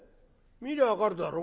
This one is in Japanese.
見りゃ分かるだろ。